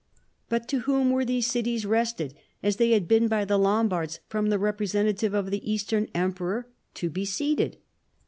* But to whom were these cities, wrested as they had been by the Lombards from the representative of the Eastern Emperor, to be ceded?